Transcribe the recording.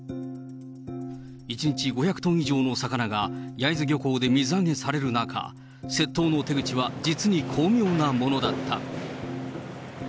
１日５００トン以上の魚が、焼津漁港で水揚げされる中、窃盗の手口は実に巧妙なものだった。